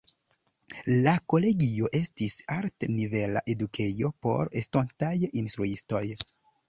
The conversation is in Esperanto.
La kolegio estis altnivela edukejo por estontaj instruistoj.